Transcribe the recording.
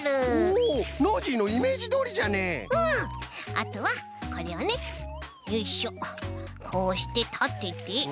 あとはこれをねよいしょこうしてたててとめます。